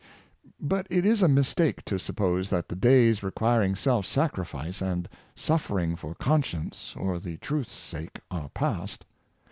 But it is a mistake to suppose that the days requiring self sacrifice and suffering for conscience or the truth's sake are past.